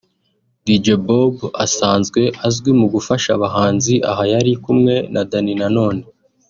Dj Bob asanzwe azwi mu gufasha abahanzi (aha yari kumwe na Danny Nanone)